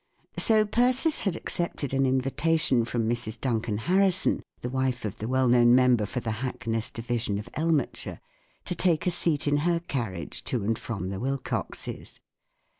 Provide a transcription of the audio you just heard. So Persis had accepted an invitation from Mrs. Duncan Harrison, the wife of the well known member for the Hackness Division of Elmetshire, to take a seat in her carriage to and from the Wilcoxes.